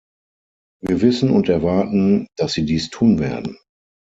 Wir wissen und erwarten, dass Sie dies tun werden.